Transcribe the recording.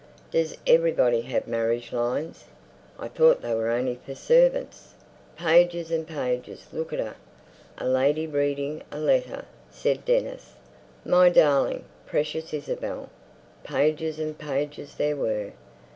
"Does everybody have marriage lines? I thought they were only for servants." "Pages and pages! Look at her! A Lady reading a Letter," said Dennis. "My darling, precious Isabel." Pages and pages there were.